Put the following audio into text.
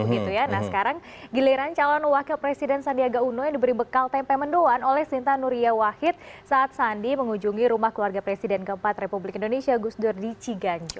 nah sekarang giliran calon wakil presiden sandiaga uno yang diberi bekal tempe mendoan oleh sinta nuria wahid saat sandi mengunjungi rumah keluarga presiden keempat republik indonesia gusdur di ciganjo